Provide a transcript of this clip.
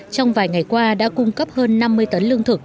trong vài ngày qua đã cung cấp hơn năm mươi tấn lương thực